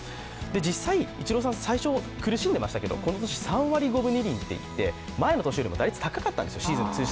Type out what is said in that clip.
実際、イチローさん、最初は苦しんでましたけど、今年３割以上で前の年よりも打率高かったんですよ。